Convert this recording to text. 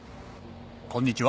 こんにちは